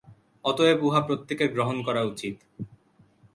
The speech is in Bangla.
অতএব উহা প্রত্যেকের গ্রহণ করা উচিত।